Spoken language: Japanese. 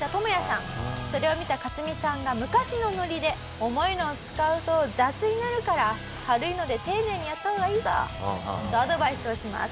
それを見たカツミさんが昔のノリで重いのを使うと雑になるから軽いので丁寧にやった方がいいぞとアドバイスをします。